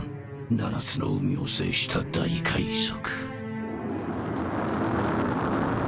７つの宇宙を制した大海賊。